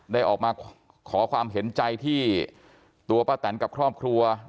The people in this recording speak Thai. ได้ออกมาขอความเห็นใจที่ตัวป้าแตนกับครอบครัว